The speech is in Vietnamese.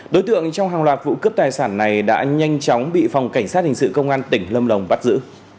đối tượng trong hàng loạt vụ cướp tài sản này đã nhanh chóng bị phòng cảnh sát hình sự công an tỉnh lâm đồng bắt giữ